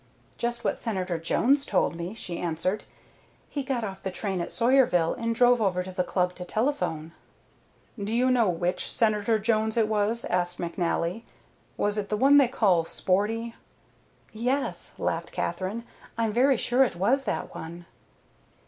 "Just what Senator Jones told me," she answered. "He got off the train at Sawyerville and drove over to the Club to telephone." "Do you know which Senator Jones it was?" asked McNally. "Was it the one they call 'Sporty'?" "Yes," laughed Katherine; "I'm very sure it was that one."